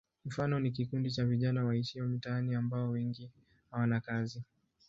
Mfano ni kikundi cha vijana waishio mitaani ambao wengi hawana kazi.